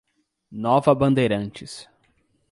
Nova Bandeirantes